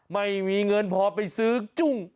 ไม่มีเงินพอไปซื้อจุ้ง